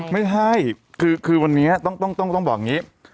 ไม่ใช่คือวันนี้ต้องบอกอย่างนี้